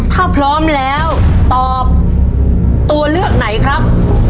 ถ้าพร้อมแล้วตอบตัวเลือกไหนครับ